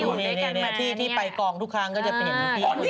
พี่เอ๊ยที่ไปกองทุกครั้งก็จะเป็นลูกพี่